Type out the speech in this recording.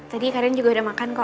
tadi karen juga udah makan kok